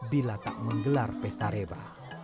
bila tak menggelar pesta reba